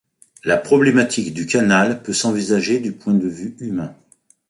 La problématique du canal peut s'envisager du point de vue humain.